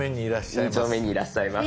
２丁目にいらっしゃいます。